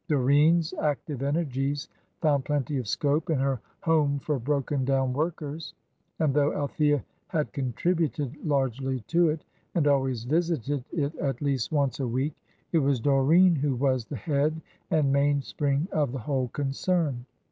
Doreen's active energies found plenty of scope in her "Home for Broken down Workers," and though Althea had contributed largely to it, and always visited it at least once a week, it was Doreen who was the head and main spring of the whole concern.